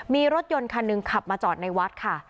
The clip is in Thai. มีรถยนต์คันหนึ่งขับมาจอดในวัดค่ะ